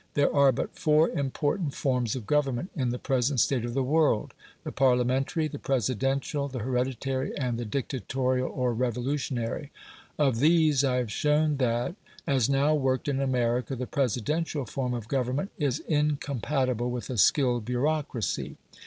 There are but four important forms of government in the present state of the world the Parliamentary, the Presidential, the Hereditary, and the Dictatorial, or Revolutionary. Of these I have shown that, as now worked in America, the Presidential form of government is incompatible with a skilled bureaucracy.